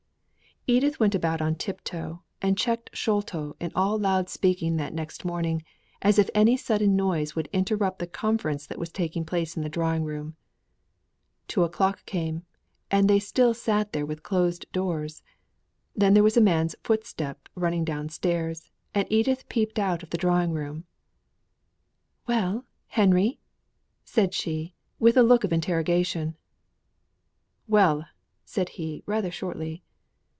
Edith went about on tip toe, and checked Sholto in all loud speaking that next morning, as if any sudden noise would interrupt the conference that was taking place in the drawing room. Two o'clock came; and they still sate there with closed doors. Then there was a man's footstep running down stairs; and Edith peeped out of the drawing room. "Well, Henry?" said she, with a look of interrogation. "Well!" said he, rather shortly.